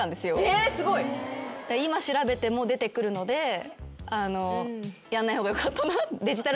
今調べても出てくるのでやんない方がよかったな。